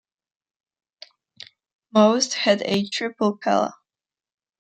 Most had a triple cella.